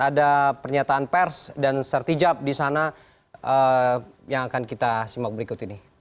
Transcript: ada pernyataan pers dan sertijab di sana yang akan kita simak berikut ini